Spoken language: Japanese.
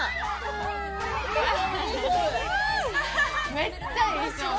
めっちゃいい勝負。